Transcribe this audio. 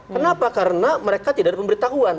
kenapa karena mereka tidak ada pemberitahuan